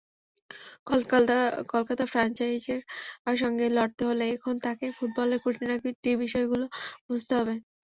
কলকাতা ফ্র্যাঞ্চাইজির সঙ্গে লড়তে হলে এখন তাকে ফুটবলের খুঁটিনাটি বিষয়গুলো বুঝতে হবে।